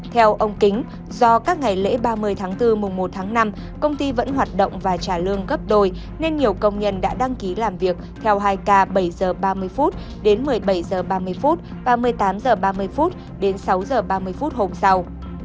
theo ông kính do các ngày lễ ba mươi tháng bốn mùng một tháng năm công ty vẫn hoạt động và trả lương gấp đôi nên nhiều công nhân đã đăng ký làm việc theo hai k bảy h ba mươi đến một mươi bảy h ba mươi và một mươi tám h ba mươi đến sáu h ba mươi phút hôm sau